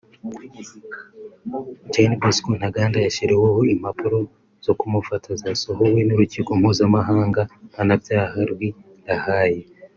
Gen Bosco Ntaganda yashyiriweho impapuro zo kumufata zasohowe n’Urukiko Mpuzamahanga Mpanabyaha rw’i La Haye